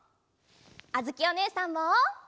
あづきおねえさんも。